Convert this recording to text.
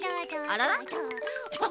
あらら？